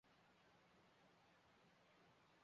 在小吃烹调方式上更是煎炒烹炸烤涮烙样样齐全。